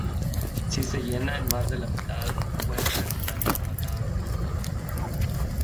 Si se llena en más de la mitad, puede realizar una patada giratoria.